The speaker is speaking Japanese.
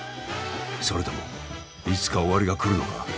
それともいつか終わりが来るのか？